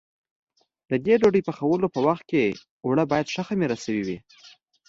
د دې ډوډۍ پخولو په وخت کې اوړه باید ښه خمېره شوي وي.